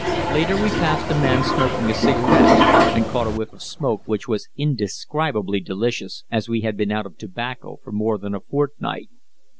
Later we passed a man smoking a cigarette, and caught a whiff of smoke, which was indescribably delicious, as we had been out of tobacco for more than a fortnight.